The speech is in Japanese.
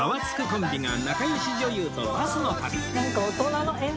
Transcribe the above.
コンビが仲良し女優とバスの旅